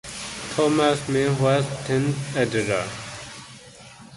Thomas Meehan was then the editor.